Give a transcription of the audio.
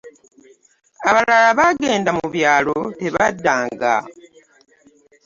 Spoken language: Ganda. Abalala baagenda mu byalo tebaddanga.